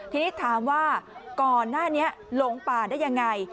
ทีนี้ถามว่าก่อนหน้านี้หลงป่าได้ยังไง